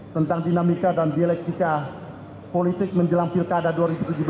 tentang dinamika dan dialektika politik menjelang pilkada dua ribu tujuh belas